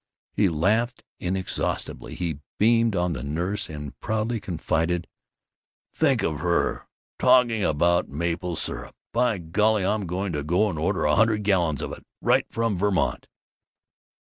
He laughed inexhaustibly; he beamed on the nurse and proudly confided, "Think of her talking about maple syrup! By golly, I'm going to go and order a hundred gallons of it, right from Vermont!"